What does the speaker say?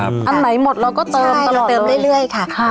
อันไหนหมดเราก็เติมตลอดเลยใช่เราเติมเรื่อยค่ะค่ะ